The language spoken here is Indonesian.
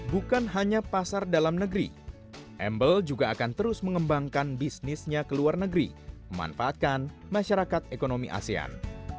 bukan hanya pasar dalam negeri embel juga akan terus mengembangkan bisnisnya ke luar negeri memanfaatkan masyarakat ekonomi asean